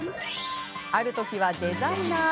あるときはデザイナー。